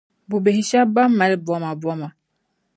bubihi shɛba bɛn mali bomaboma.